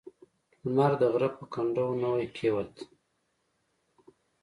لمر د غره په کنډو نوی کېوت.